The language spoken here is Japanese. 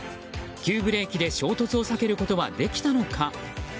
急ブレーキで衝突を避けることはできたのか？